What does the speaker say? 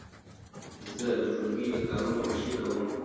زه د ټولګي د کارونو مشري کوم.